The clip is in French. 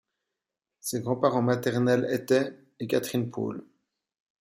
Ses grands-parents maternels étaient et Catherine Pole.